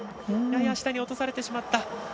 やや下に落とされてしまった。